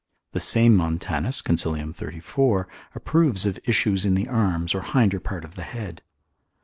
The same Montanus consil. 34. approves of issues in the arms or hinder part of the head.